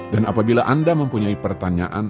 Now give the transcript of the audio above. dan apabila anda mempunyai pertanyaan